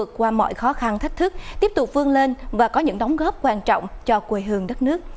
đã bản lĩnh vượt qua mọi khó khăn thách thức tiếp tục vươn lên và có những đóng góp quan trọng cho quê hương đất nước